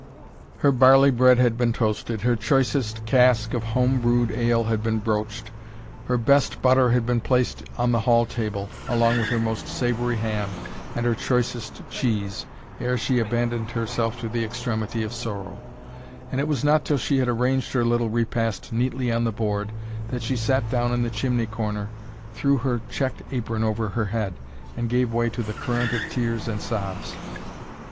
Her barley bread had been toasted her choicest cask of home brewed ale had been broached her best butter had been placed on the hall table, along with her most savoury ham, and her choicest cheese, ere she abandoned herself to the extremity of sorrow; and it was not till she had arranged her little repast neatly on the board, that she sat down in the chimney corner, threw her checked apron over her head, and gave way to the current of tears and sobs.